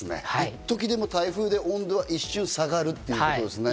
一時でも台風で温度は一瞬下がるということですね。